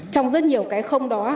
trong rất nhiều cái không đó